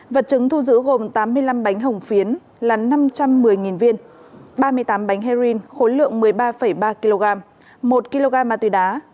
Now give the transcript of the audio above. vật chứng thu giữ gồm tám mươi năm bánh hồng phiến là năm trăm một mươi viên ba mươi tám bánh heroin khối lượng một mươi ba ba kg một kg ma túy đá